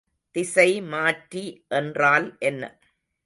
திசைமாற்றி என்றால் என்ன?